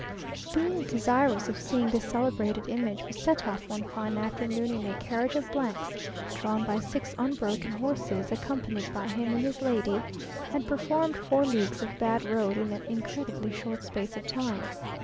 Being desirous of seeing this celebrated image, we set off one fine afternoon in a carriage of 's, drawn by six unbroken horses, accompanied by him and his lady, and performed four leagues of bad road in an incredibly short space of time.